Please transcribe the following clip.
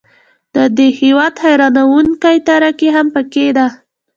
د دې هیواد حیرانوونکې ترقي هم پکې ده.